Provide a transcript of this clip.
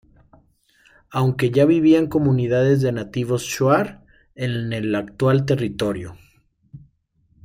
Aunque ya vivían comunidades de nativos shuar en el actual territorio.